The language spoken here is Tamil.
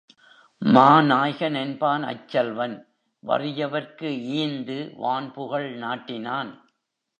மாநாய்கன் என்பான் அச் செல்வன் வறியவர்க்கு ஈந்து வான்புகழ் நாட்டினான்.